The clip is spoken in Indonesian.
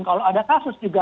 kalau ada kasus juga